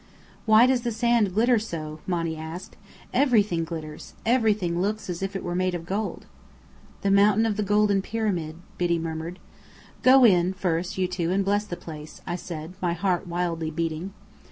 "Why does the sand glitter so?" Monny asked. "Everything glitters! Everything looks as if it were made of gold." "The Mountain of the Golden Pyramid," Biddy murmured. "Go in first, you two, and bless the place," I said, my heart wildly beating.